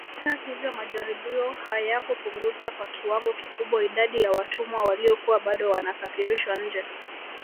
Hata hivyo majaribio hayakupunguza kwa kiwango kikubwa idadi ya watumwa waliokuwa bado wanasafirishwa nje